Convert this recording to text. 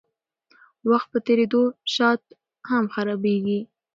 وخت په تېرېدو شات هم خرابیږي.